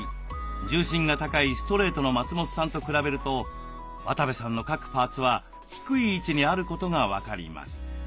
重心が高いストレートの松本さんと比べると渡部さんの各パーツは低い位置にあることが分かります。